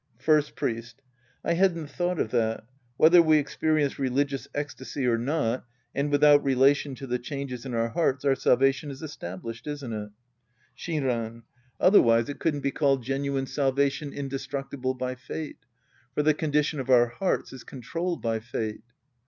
First Priest. I hadn't thought of that. Whether we experience religious ecstasy or not, and without relation to the changes in our hearts, our salvation is established, isn't it ? Shinran. Otherwise it couldn't be called genuine 82 The Priest and His Disciples Act 11 salvation indestructible by fate. For the condition of our hearts is controlled by fate.